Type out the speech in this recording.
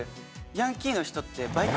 ヤンキーの人ってバイク